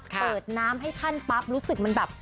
เปิดน้ำให้ท่านปั๊บรู้สึกมันแบบ